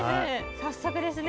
早速ですね